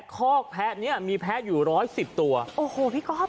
คอกแพ้เนี้ยมีแพ้อยู่ร้อยสิบตัวโอ้โหพี่ก๊อฟ